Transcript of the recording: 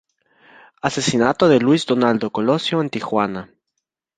Asesinato de Luis Donaldo Colosio en Tijuana.